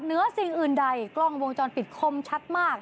เหนือสิ่งอื่นใดกล้องวงจรปิดคมชัดมาก